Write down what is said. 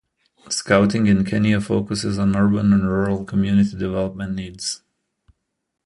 Scouting in Kenya focuses on urban and rural community development needs.